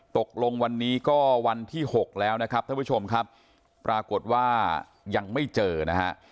ตกลงวันนี้ก็วันที่หกแล้วนะครับท่านผู้ชมครับปรากฏว่ายังไม่เจอนะฮะ